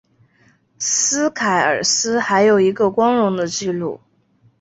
斯凯尔斯还有一个光荣的记录。